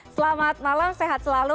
selamat malam sehat selalu